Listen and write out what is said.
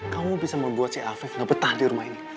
kamu bisa membuat si afif ngebetah di rumah ini